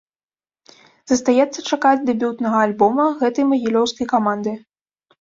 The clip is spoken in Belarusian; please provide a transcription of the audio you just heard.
Застаецца чакаць дэбютнага альбома гэтай магілёўскай каманды.